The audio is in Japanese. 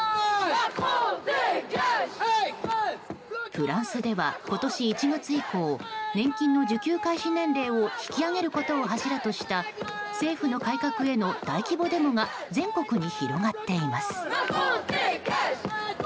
フランスでは今年１月以降年金の受給開始年齢を引き上げることを柱とした政府の改革への大規模デモが全国に広がっています。